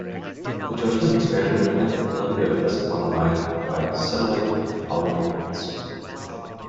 The judgement expanded the applicability of thesawalamai by settling the following points.